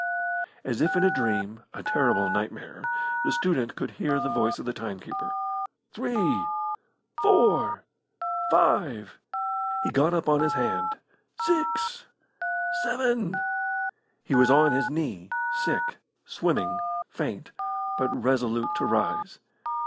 As if in a dream a terrible nightmare the student could hear the voice of the timekeeper three four five he got up on his hand six seven he was on his knee, sick, swimming, faint, but resolute to rise.